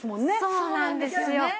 そうなんですよ。